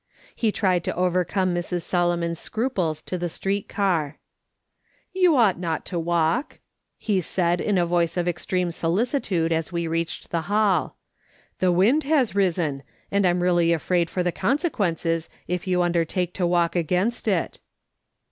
He tried to overcome Mrs. Solomon's scruples to the street car. " You ought not to walk," he said in a voice of extreme solicitude as we reached the hall. " The wdnd has risen, and I'm really afraid for the conse quences if you undertake to walk against it."